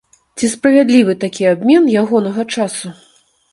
Ці справядлівы такі абмен ягонага часу?